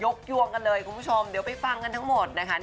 กยวงกันเลยคุณผู้ชมเดี๋ยวไปฟังกันทั้งหมดนะคะ